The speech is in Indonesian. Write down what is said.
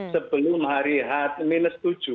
sebelum hari h tujuh